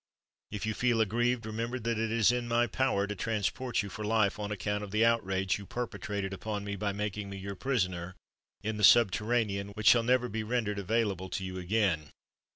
If you feel aggrieved, remember that it is in my power to transport you for life, on account of the outrage you perpetrated upon me by making me your prisoner in the subterranean which shall never be rendered available to you again.